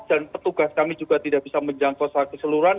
dan petugas kami juga tidak bisa menjangkau keseluruhan